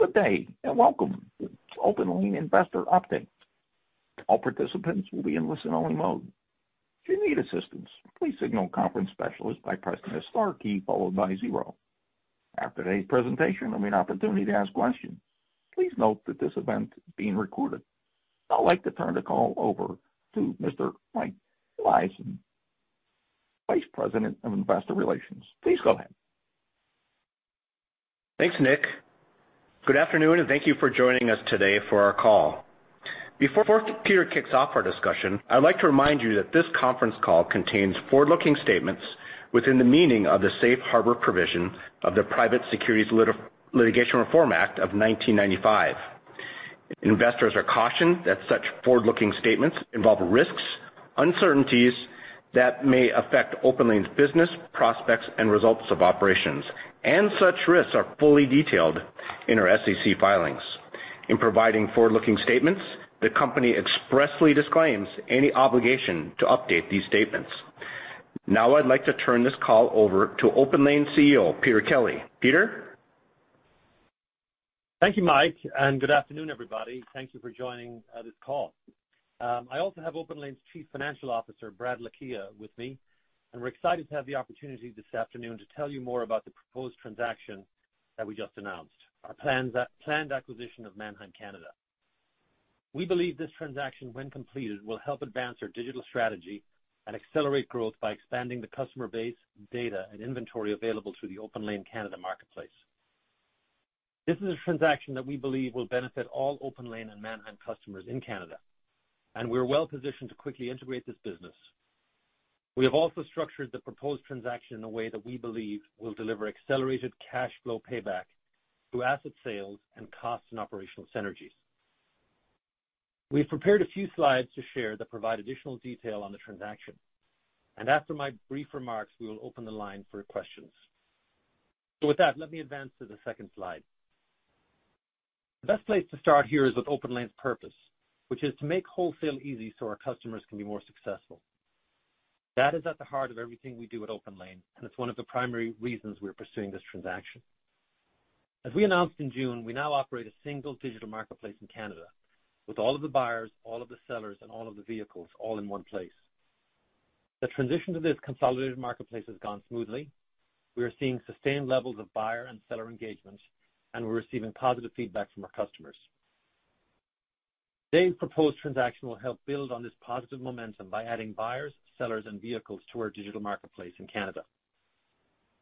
Good day, and welcome to OPENLANE Investor Update. All participants will be in listen-only mode. If you need assistance, please signal a conference specialist by pressing the star key followed by zero. After today's presentation, there will be an opportunity to ask questions. Please note that this event is being recorded. I'd like to turn the call over to Mr. Mike Eliason, Vice President of Investor Relations. Please go ahead. Thanks, Nick. Good afternoon, and thank you for joining us today for our call. Before Peter kicks off our discussion, I'd like to remind you that this conference call contains forward-looking statements within the meaning of the Safe Harbor provision of the Private Securities Litigation Reform Act of 1995. Investors are cautioned that such forward-looking statements involve risks, uncertainties that may affect OPENLANE's business, prospects, and results of operations, and such risks are fully detailed in our SEC filings. In providing forward-looking statements, the company expressly disclaims any obligation to update these statements. Now I'd like to turn this call over to OPENLANE CEO, Peter Kelly. Peter? Thank you, Mike, and good afternoon, everybody. Thank you for joining this call. I also have OPENLANE's Chief Financial Officer, Brad Lakhia, with me, and we're excited to have the opportunity this afternoon to tell you more about the proposed transaction that we just announced, our planned acquisition of Manheim Canada. We believe this transaction, when completed, will help advance our digital strategy and accelerate growth by expanding the customer base, data, and inventory available through the OPENLANE Canada marketplace. This is a transaction that we believe will benefit all OPENLANE and Manheim customers in Canada, and we're well-positioned to quickly integrate this business. We have also structured the proposed transaction in a way that we believe will deliver accelerated cash flow payback through asset sales and cost and operational synergies. We've prepared a few slides to share that provide additional detail on the transaction, and after my brief remarks, we will open the line for questions. So with that, let me advance to the second slide. The best place to start here is with OPENLANE's purpose, which is to make wholesale easy so our customers can be more successful. That is at the heart of everything we do at OPENLANE, and it's one of the primary reasons we're pursuing this transaction. As we announced in June, we now operate a single digital marketplace in Canada with all of the buyers, all of the sellers, and all of the vehicles, all in one place. The transition to this consolidated marketplace has gone smoothly. We are seeing sustained levels of buyer and seller engagement, and we're receiving positive feedback from our customers. Today's proposed transaction will help build on this positive momentum by adding buyers, sellers, and vehicles to our digital marketplace in Canada.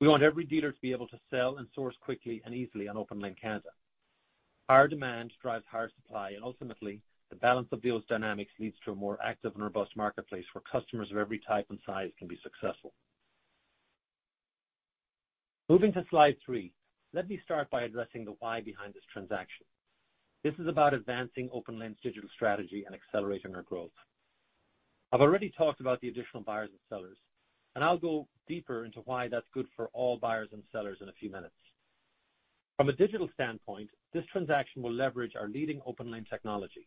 We want every dealer to be able to sell and source quickly and easily on OPENLANE Canada. Higher demand drives higher supply, and ultimately, the balance of those dynamics leads to a more active and robust marketplace, where customers of every type and size can be successful. Moving to slide three, let me start by addressing the why behind this transaction. This is about advancing OPENLANE's digital strategy and accelerating our growth. I've already talked about the additional buyers and sellers, and I'll go deeper into why that's good for all buyers and sellers in a few minutes. From a digital standpoint, this transaction will leverage our leading OPENLANE technology.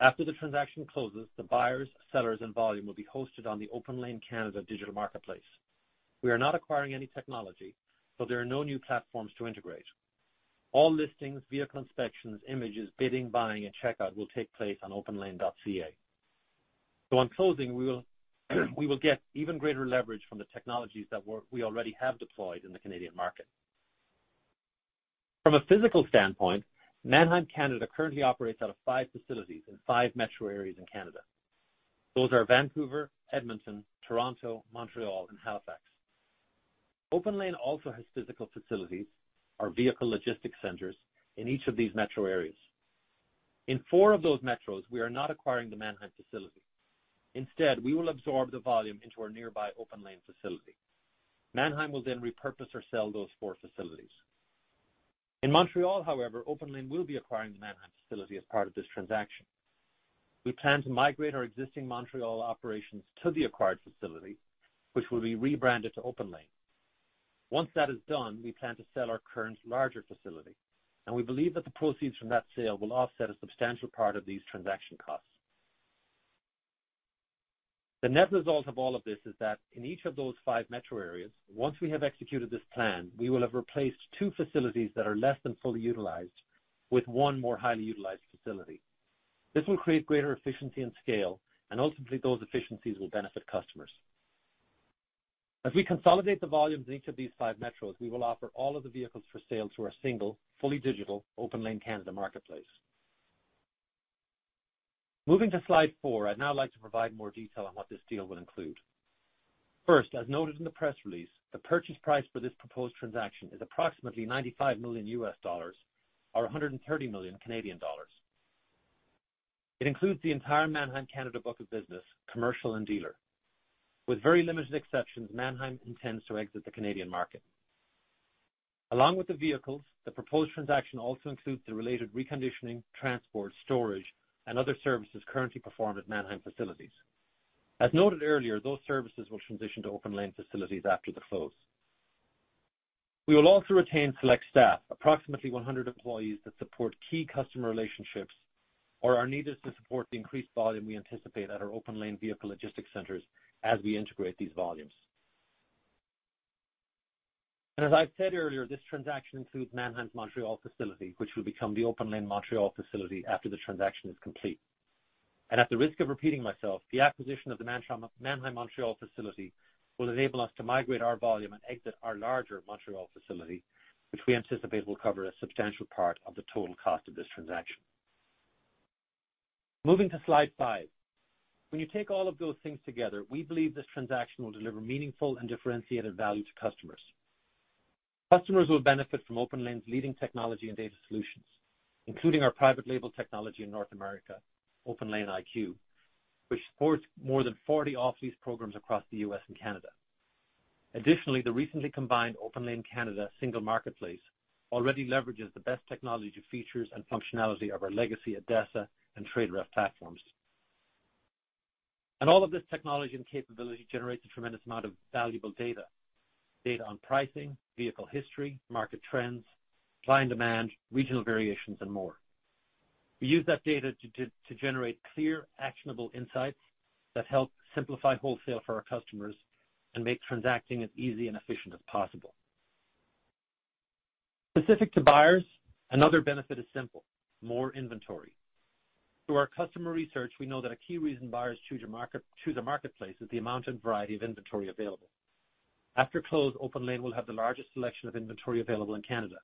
After the transaction closes, the buyers, sellers, and volume will be hosted on the OPENLANE Canada digital marketplace. We are not acquiring any technology, so there are no new platforms to integrate. All listings, vehicle inspections, images, bidding, buying, and checkout will take place on openlane.ca. So on closing, we will, we will get even greater leverage from the technologies that we're, we already have deployed in the Canadian market. From a physical standpoint, Manheim Canada currently operates out of five facilities in five metro areas in Canada. Those are Vancouver, Edmonton, Toronto, Montreal, and Halifax. OPENLANE also has physical facilities, our vehicle logistics centers, in each of these metro areas. In four of those metros, we are not acquiring the Manheim facility. Instead, we will absorb the volume into our nearby OPENLANE facility. Manheim will then repurpose or sell those four facilities. In Montreal, however, OPENLANE will be acquiring the Manheim facility as part of this transaction. We plan to migrate our existing Montreal operations to the acquired facility, which will be rebranded to OPENLANE. Once that is done, we plan to sell our current larger facility, and we believe that the proceeds from that sale will offset a substantial part of these transaction costs. The net result of all of this is that in each of those five metro areas, once we have executed this plan, we will have replaced two facilities that are less than fully utilized with one more highly utilized facility. This will create greater efficiency and scale, and ultimately, those efficiencies will benefit customers. As we consolidate the volumes in each of these five metros, we will offer all of the vehicles for sale through our single, fully digital OPENLANE Canada marketplace. Moving to slide four, I'd now like to provide more detail on what this deal will include. First, as noted in the press release, the purchase price for this proposed transaction is approximately $95 million or 130 million Canadian dollars. It includes the entire Manheim Canada book of business, commercial and dealer. With very limited exceptions, Manheim intends to exit the Canadian market. Along with the vehicles, the proposed transaction also includes the related reconditioning, transport, storage, and other services currently performed at Manheim facilities. As noted earlier, those services will transition to OPENLANE facilities after the close. We will also retain select staff, approximately 100 employees that support key customer relationships or are needed to support the increased volume we anticipate at our OPENLANE vehicle logistics centers as we integrate these volumes. As I've said earlier, this transaction includes Manheim's Montreal facility, which will become the OPENLANE Montreal facility after the transaction is complete. At the risk of repeating myself, the acquisition of the Manheim Montreal facility will enable us to migrate our volume and exit our larger Montreal facility, which we anticipate will cover a substantial part of the total cost of this transaction. Moving to Slide 5. When you take all of those things together, we believe this transaction will deliver meaningful and differentiated value to customers. Customers will benefit from OPENLANE's leading technology and data solutions, including our private label technology in North America, OPENLANE IQ, which supports more than 40 off-lease programs across the U.S. and Canada. Additionally, the recently combined OPENLANE Canada single marketplace already leverages the best technology features and functionality of our legacy ADESA and TradeRev platforms. All of this technology and capability generates a tremendous amount of valuable data, data on pricing, vehicle history, market trends, supply and demand, regional variations, and more. We use that data to generate clear, actionable insights that help simplify wholesale for our customers and make transacting as easy and efficient as possible. Specific to buyers, another benefit is simply more inventory. Through our customer research, we know that a key reason buyers choose your market- choose our marketplace, is the amount and variety of inventory available. After close, OPENLANE will have the largest selection of inventory available in Canada,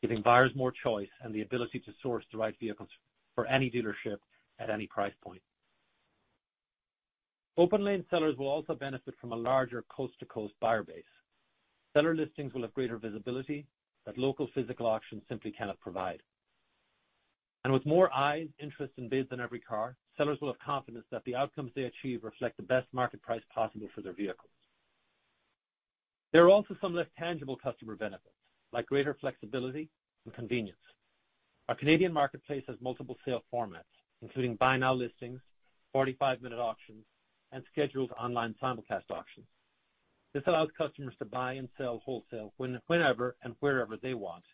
giving buyers more choice and the ability to source the right vehicles for any dealership at any price point. OPENLANE sellers will also benefit from a larger coast-to-coast buyer base. Seller listings will have greater visibility that local physical auctions simply cannot provide. And with more eyes, interest, and bids on every car, sellers will have confidence that the outcomes they achieve reflect the best market price possible for their vehicles. There are also some less tangible customer benefits, like greater flexibility and convenience. Our Canadian marketplace has multiple sale formats, including Buy Now listings, 45-minute auctions, and scheduled online Simulcast auctions. This allows customers to buy and sell wholesale whenever and wherever they want,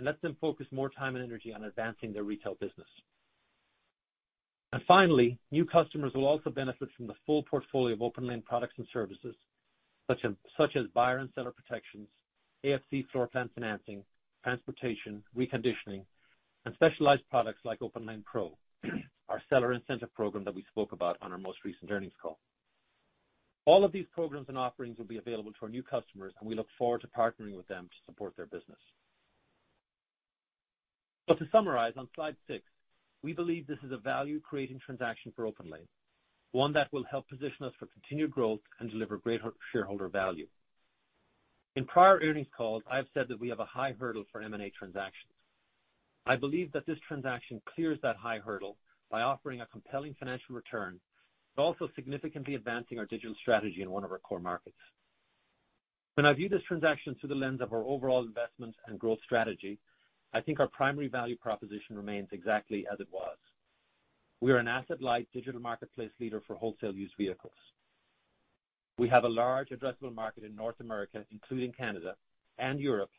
and lets them focus more time and energy on advancing their retail business. Finally, new customers will also benefit from the full portfolio of OPENLANE products and services, such as buyer and seller protections, AFC floorplan financing, transportation, reconditioning, and specialized products like OPENLANE Pro, our seller incentive program that we spoke about on our most recent earnings call. All of these programs and offerings will be available to our new customers, and we look forward to partnering with them to support their business. So to summarize, on Slide six, we believe this is a value-creating transaction for OPENLANE, one that will help position us for continued growth and deliver great shareholder value. In prior earnings calls, I have said that we have a high hurdle for M&A transactions. I believe that this transaction clears that high hurdle by offering a compelling financial return, but also significantly advancing our digital strategy in one of our core markets. When I view this transaction through the lens of our overall investments and growth strategy, I think our primary value proposition remains exactly as it was. We are an asset-light, digital marketplace leader for wholesale used vehicles. We have a large addressable market in North America, including Canada and Europe,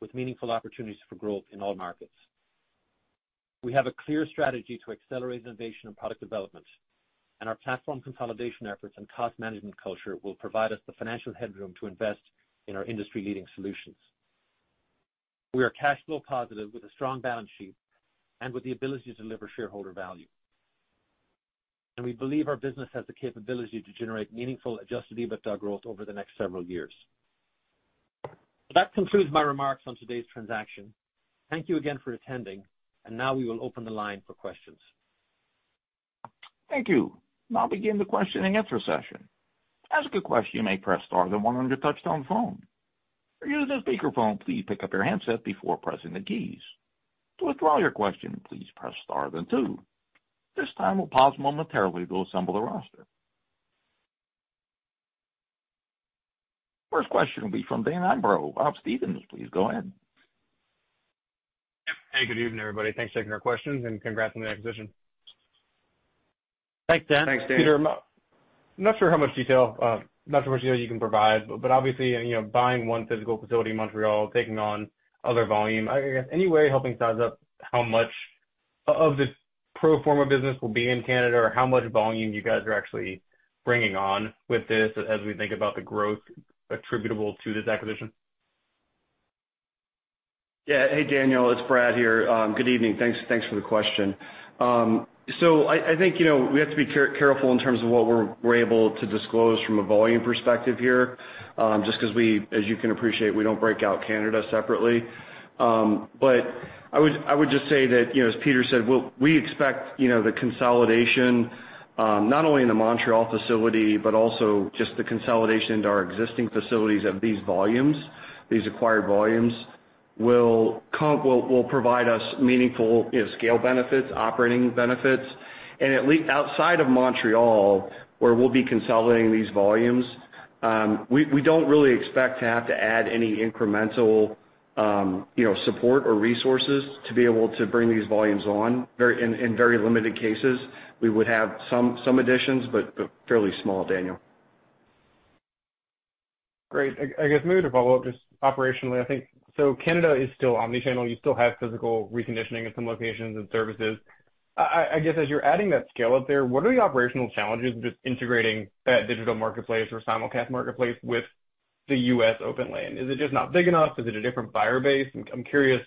with meaningful opportunities for growth in all markets. We have a clear strategy to accelerate innovation and product development, and our platform consolidation efforts and cost management culture will provide us the financial headroom to invest in our industry-leading solutions. We are cash flow positive with a strong balance sheet and with the ability to deliver shareholder value. We believe our business has the capability to generate meaningful Adjusted EBITDA growth over the next several years. That concludes my remarks on today's transaction. Thank you again for attending, and now we will open the line for questions. Thank you. Now begin the question and answer session. To ask a question, you may press star then one on your touchtone phone. If you're using a speakerphone, please pick up your handset before pressing the keys. To withdraw your question, please press star then two. This time, we'll pause momentarily to assemble the roster. First question will be from Dan Imbro, Stephens, please go ahead. Yep. Hey, good evening, everybody. Thanks for taking our questions, and congrats on the acquisition. Thanks, Dan. Thanks, Dan. Peter, I'm not sure how much detail you can provide, but obviously, you know, buying one physical facility in Montreal, taking on other volume, I guess, any way helping size up how much of this pro forma business will be in Canada, or how much volume you guys are actually bringing on with this as we think about the growth attributable to this acquisition? Yeah. Hey, Daniel, it's Brad here. Good evening. Thanks, thanks for the question. So I think, you know, we have to be careful in terms of what we're able to disclose from a volume perspective here, just because we, as you can appreciate, we don't break out Canada separately. But I would just say that, you know, as Peter said, we expect, you know, the consolidation not only in the Montreal facility, but also just the consolidation into our existing facilities of these volumes, these acquired volumes, will provide us meaningful, you know, scale benefits, operating benefits. And at least outside of Montreal, where we'll be consolidating these volumes, we don't really expect to have to add any incremental, you know, support or resources to be able to bring these volumes on. Very, in very limited cases, we would have some additions, but fairly small, Daniel.... Great. I guess maybe to follow up, just operationally, I think, so Canada is still Omni-Channel. You still have physical reconditioning in some locations and services. I guess as you're adding that scale up there, what are the operational challenges with integrating that digital marketplace or simulcast marketplace with the U.S. OPENLANE? Is it just not big enough? Is it a different buyer base? I'm curious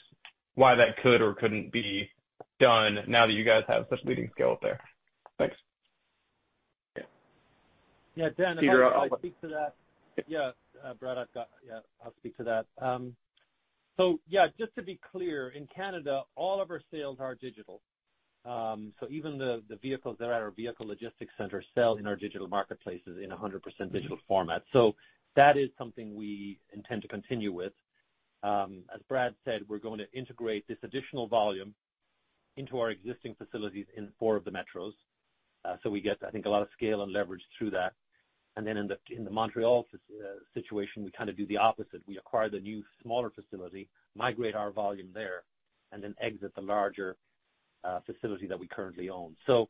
why that could or couldn't be done now that you guys have such leading scale up there. Thanks. Yeah, Dan, I'll speak to that. Yeah, Brad, I've got... Yeah, I'll speak to that. So yeah, just to be clear, in Canada, all of our sales are digital. So even the vehicles that are at our vehicle logistics center sell in our digital marketplaces in a 100% digital format. So that is something we intend to continue with. As Brad said, we're going to integrate this additional volume into our existing facilities in four of the metros, so we get, I think, a lot of scale and leverage through that. And then in the Montreal situation, we kind of do the opposite. We acquire the new, smaller facility, migrate our volume there, and then exit the larger facility that we currently own. So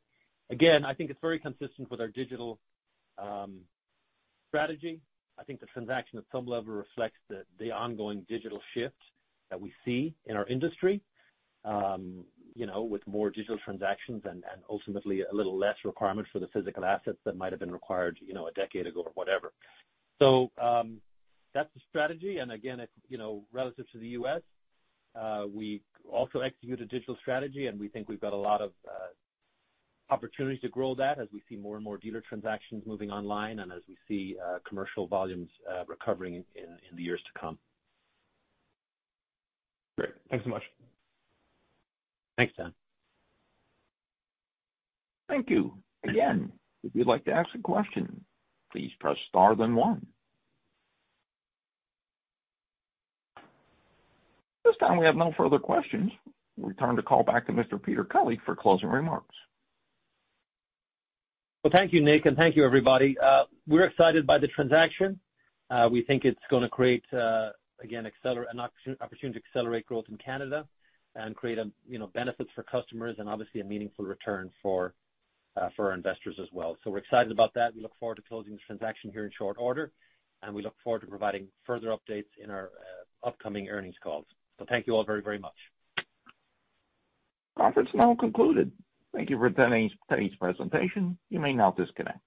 again, I think it's very consistent with our digital strategy. I think the transaction at some level reflects the ongoing digital shift that we see in our industry, you know, with more digital transactions and ultimately, a little less requirement for the physical assets that might have been required, you know, a decade ago or whatever. So, that's the strategy. And again, you know, relative to the U.S., we also execute a digital strategy, and we think we've got a lot of opportunities to grow that as we see more and more dealer transactions moving online and as we see commercial volumes recovering in the years to come. Great. Thanks so much. Thanks, Dan. Thank you. Again, if you'd like to ask a question, please press star then one. At this time, we have no further questions. We turn the call back to Mr. Peter Kelly for closing remarks. Well, thank you, Nick, and thank you, everybody. We're excited by the transaction. We think it's gonna create, again, an opportunity to accelerate growth in Canada and create a, you know, benefits for customers and obviously a meaningful return for, for our investors as well. So we're excited about that. We look forward to closing this transaction here in short order, and we look forward to providing further updates in our, upcoming earnings calls. So thank you all very, very much. Conference now concluded. Thank you for attending today's presentation. You may now disconnect.